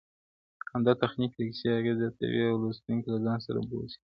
همدا تخنيک د کيسې اغېز زياتوي او لوستونکی له ځان سره بوځي,